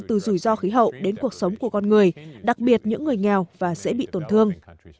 từ rủi ro khí hậu đến cuộc sống của con người đặc biệt những người nghèo và dễ bị tổn thương